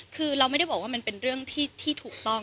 คือเราไม่ได้บอกว่ามันเป็นเรื่องที่ถูกต้อง